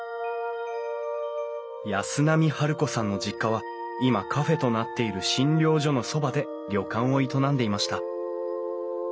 安波治子さんの実家は今カフェとなっている診療所のそばで旅館を営んでいました。